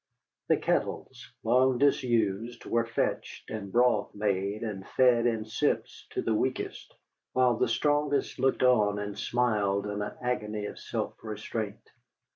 The kettles long disused were fetched, and broth made and fed in sips to the weakest, while the strongest looked on and smiled in an agony of self restraint.